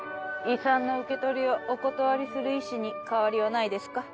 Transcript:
遺産の受け取りをお断りする意思に変わりはないですか？